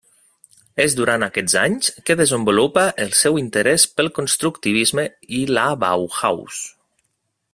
És durant aquests anys, que desenvolupa el seu interès pel constructivisme i la Bauhaus.